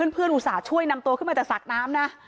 อุตส่าห์ช่วยนำตัวขึ้นมาจากสระน้ำนะ